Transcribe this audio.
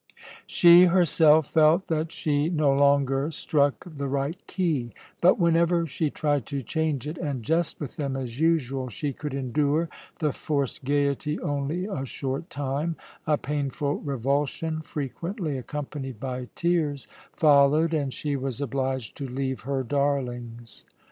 She herself felt that she no longer struck the right key; but whenever she tried to change it and jest with them as usual, she could endure the forced gaiety only a short time; a painful revulsion, frequently accompanied by tears, followed, and she was obliged to leave her darlings.